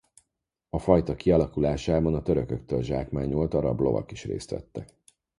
A fajta kialakulásában a törököktől zsákmányolt arab lovak is részt vettek.